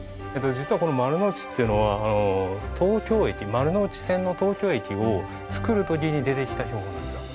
実はこの「丸ノ内」っていうのは東京駅丸ノ内線の東京駅を造る時に出てきた標本なんですよ。